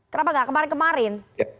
kenapa enggak kemarin kemarin